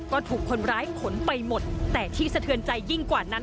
ก็ถูกคนร้ายขนไปหมดแต่ที่สะเทือนใจยิ่งกว่านั้น